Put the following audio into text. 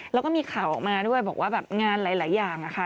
แล้วก็มีข่าวออกมาด้วยบอกว่าแบบงานหลายอย่างอะค่ะ